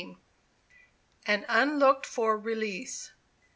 AN UNLOOKED FOR RELEASE.